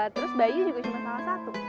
terus bayinya juga cuma salah satu